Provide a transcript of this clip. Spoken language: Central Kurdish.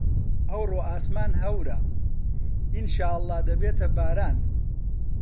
ئەوڕۆ ئاسمان هەورە، ئینشاڵڵا دەبێتە باران.